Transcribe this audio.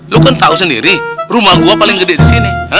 lu kan tahu sendiri rumah gue paling gede di sini